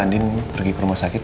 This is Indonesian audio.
andin pergi ke rumah sakit